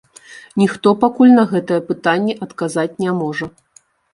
Ніхто пакуль на гэтае пытанне адказаць не можа.